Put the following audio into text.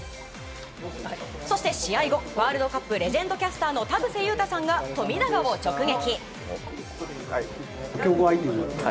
そして、試合後ワールドカップレジェンドキャスターの田臥勇太さんが富永を直撃。